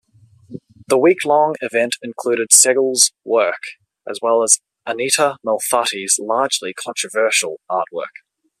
The week-long event included Segall's work, as well as Anita Malfatti's largely controversial artwork.